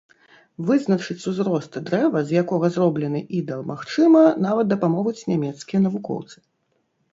Вызначыць узрост дрэва, з якога зроблены ідал, магчыма, нават дапамогуць нямецкія навукоўцы!